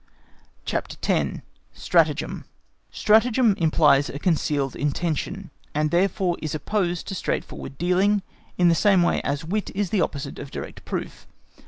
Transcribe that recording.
CHAPTER X. Stratagem Stratagem implies a concealed intention, and therefore is opposed to straightforward dealing, in the same way as wit is the opposite of direct proof.